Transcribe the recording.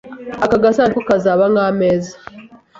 Aka gasanduku kazaba nk'ameza.